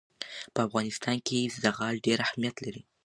په افغانستان کې زغال ډېر اهمیت لري.